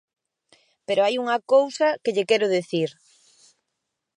Pero hai unha cousa que lle quero dicir.